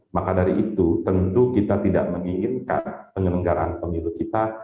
maka dari itu tentu kita tidak menginginkan penyelenggaraan pemilu kita